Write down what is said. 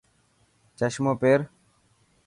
چشمو پير.